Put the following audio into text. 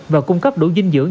và cung cấp đủ dinh dưỡng